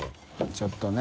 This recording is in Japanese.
ちょっとね。